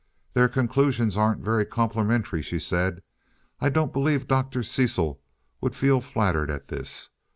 "Their conclusions aren't very complimentary," she said. "I don't believe Dr. Cecil would feel flattered at this.